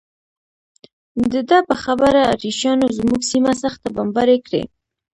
د ده په خبره اتریشیانو زموږ سیمه سخته بمباري کړې.